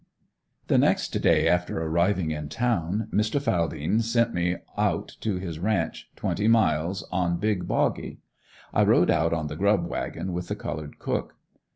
The next day after arriving in town, Mr. Faldien sent me out to his ranch, twenty miles, on Big Boggy. I rode out on the "grub" wagon with the colored cook.